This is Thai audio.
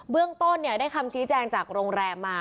เรื่องต้นได้คำชี้แจงจากโรงแรมมา